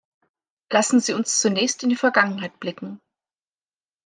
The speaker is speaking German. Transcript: Lassen Sie uns zunächst in die Vergangenheit blicken.